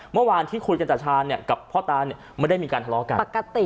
เมื่อวานที่คุยกับตาชาญกับพ่อตาไม่ได้มีการทะเลาะกัน